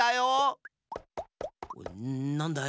なんだい？